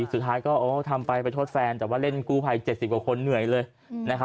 สุดท้ายก็ทำไปไปโทษแฟนแต่ว่าเล่นกู้ภัย๗๐กว่าคนเหนื่อยเลยนะครับ